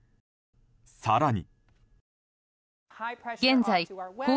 更に。